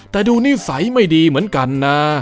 แต่ดูนิสัยไม่ดีเหมือนกันนะ